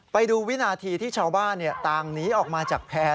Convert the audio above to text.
ไปดูวินาทีที่ชาวบ้านต่างหนีออกมาจากแพร่